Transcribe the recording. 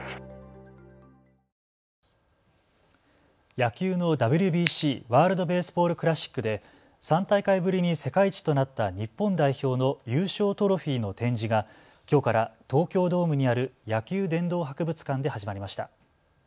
野球のＷＢＣ・ワールド・ベースボール・クラシックで３大会ぶりに世界一となった日本代表の優勝トロフィーの展示がきょうから東京ドームにある野球殿堂博物館で始まりました。